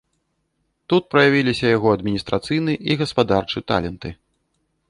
Тут праявіліся яго адміністрацыйны і гаспадарчы таленты.